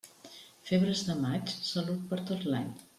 Febres de maig, salut per tot l'any.